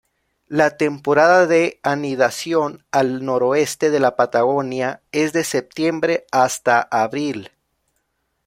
La temporada de anidación al noroeste de la Patagonia es de septiembre hasta abril.